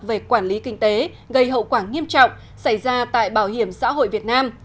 về quản lý kinh tế gây hậu quả nghiêm trọng xảy ra tại bảo hiểm xã hội việt nam